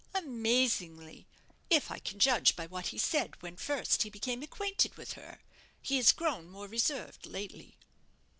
"Amazingly if I can judge by what he said when first he became acquainted with her. He has grown more reserved lately."